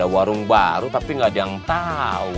warung baru tapi gak ada yang tau